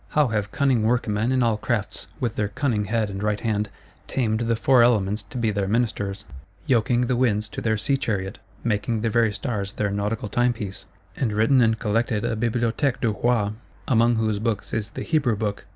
How have cunning workmen in all crafts, with their cunning head and right hand, tamed the Four Elements to be their ministers; yoking the winds to their Sea chariot, making the very Stars their Nautical Timepiece;—and written and collected a Bibliothèque du Roi; among whose Books is the Hebrew Book!